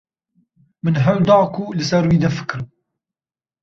Min hewl da ku li ser wî nefikirim.